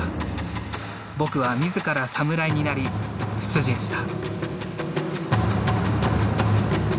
僕は自ら侍になり出陣した。